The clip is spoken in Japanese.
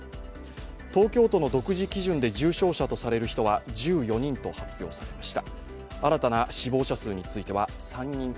東京都の独自基準で重症者とされる人は１４人と発表されました。